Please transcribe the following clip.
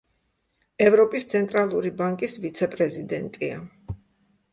ევროპის ცენტრალური ბანკის ვიცე-პრეზიდენტია.